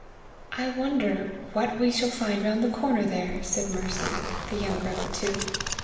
"I wonder what we shall see round the corner there!" said Mercy, the younger of the two.